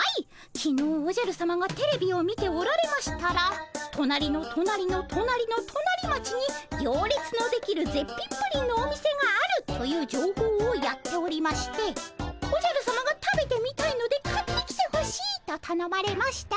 きのうおじゃるさまがテレビを見ておられましたら隣の隣の隣の隣町に行列のできる絶品プリンのお店があるというじょうほうをやっておりましておじゃるさまが食べてみたいので買ってきてほしいとたのまれましたので。